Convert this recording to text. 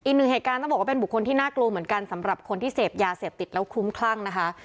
อีกหนึ่งเหตุการณ์ต้องบอกว่าเป็นบุคคลที่น่ากลัวเหมือนกันสำหรับคนที่เสพยาเสพติดแล้วคลุ้มคลั่งนะคะ